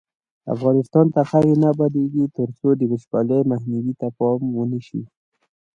افغانستان تر هغو نه ابادیږي، ترڅو د وچکالۍ مخنیوي ته پام ونشي.